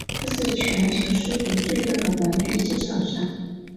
它是全球收入最多的玩具制造商。